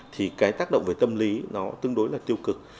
thì cái tác động về tâm lý nó tương đối là tiêu cực